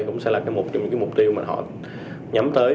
cũng sẽ là một trong những cái mục tiêu mà họ nhắm tới